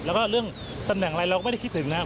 แล้วก็เรื่องตำแหน่งอะไรเราก็ไม่ได้คิดถึงนะครับ